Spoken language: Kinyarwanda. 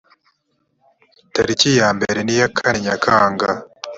tariki yambere n iya kane nyakanga